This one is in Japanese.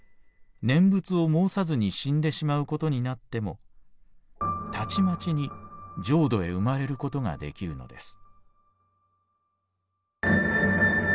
念仏を申さずに死んでしまうことになってもたちまちに浄土へ生まれることができるのです」。